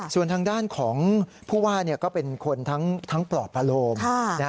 ส่วนทางด้านของผู้ว่าเนี่ยก็เป็นคนทั้งปลอบอารมณ์